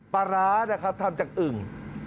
ปลาร้านะครับทำจากอึ่ง